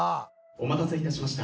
お待たせ致しました。